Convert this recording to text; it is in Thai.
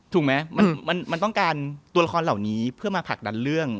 ถูกไหมมันต้องการตัวละครเหล่านี้เพื่อมาผลักดันเรื่อง